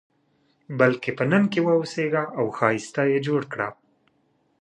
بلکې په نن کې واوسېږه او ښایسته یې جوړ کړه.